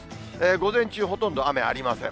午前中、ほとんど雨ありません。